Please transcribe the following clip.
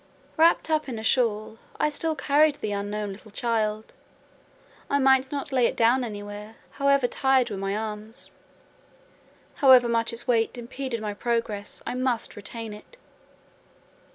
Wrapped up in a shawl, I still carried the unknown little child: I might not lay it down anywhere, however tired were my arms—however much its weight impeded my progress, I must retain it.